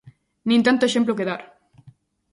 Nin tanto exemplo que dar.